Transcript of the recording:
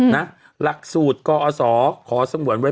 หลักสูตรก่ออสอขอสมวนไว้